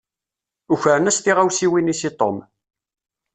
Ukren-as tiɣawsiwin-is i Tom.